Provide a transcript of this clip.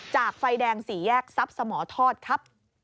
จากไฟแดงสี่แยกซับสมอทอดครับ